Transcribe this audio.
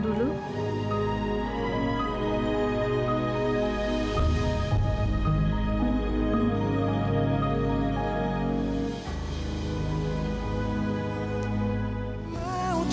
tidak ada susu